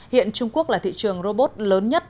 hiện trung quốc là thị trường robot lớn nhất